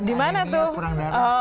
di mana tuh